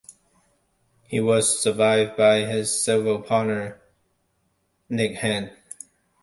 He was survived by his civil partner Nick Hand.